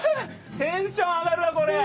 テンション上がるわ！